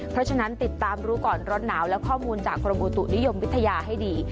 เพราะฉะนั้นติดตามรู้ก่อนร้อนหนาวและข้อมูลจากกรมอุตุนิยมวิทยาให้ดี